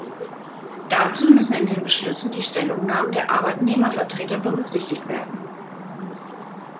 Dazu müssen in den Beschlüssen die Stellungnahmen der Arbeitnehmervertreter berücksichtigt werden.